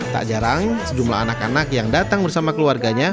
tak jarang sejumlah anak anak yang datang bersama keluarganya